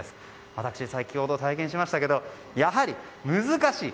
私、先ほど体験しましたがやはり難しい！